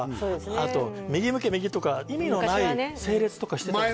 あと右向け右とか意味のない整列とかしてたでしょ？